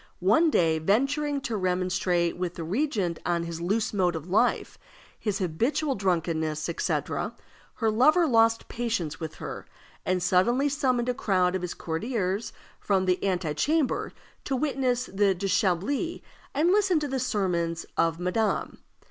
One day, venturing to remonstrate with the regent on his loose mode of life, his habitual drunkenness, etc., her lover lost patience with her, and suddenly summoned a crowd of his courtiers from the ante chamber to witness the déshabillé and listen to the sermons of madame.